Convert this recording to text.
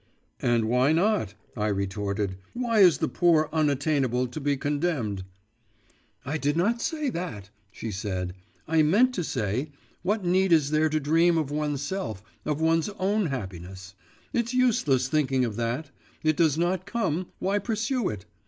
'And why not?' I retorted. 'Why is the poor unattainable to be condemned?' 'I did not say that,' she said; 'I meant to say, what need is there to dream of oneself, of one's own happiness? It's useless thinking of that; it does not come why pursue it?